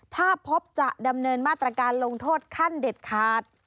ถ้าพบจะดำเนินมาตรการลงโทษขั้นเด็ดขาด